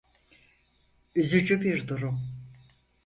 Üzücü bir durum.